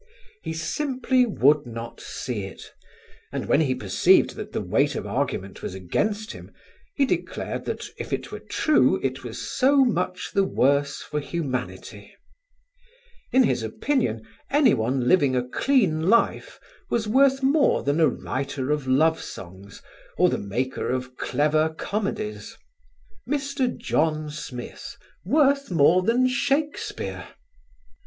He simply would not see it and when he perceived that the weight of argument was against him he declared that if it were true, it was so much the worse for humanity. In his opinion anyone living a clean life was worth more than a writer of love songs or the maker of clever comedies Mr. John Smith worth more than Shakespeare!